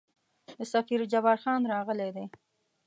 د سفیر جبارخان راغلی دی.